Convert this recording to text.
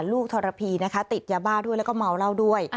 ทรพีนะคะติดยาบ้าด้วยแล้วก็เมาเหล้าด้วย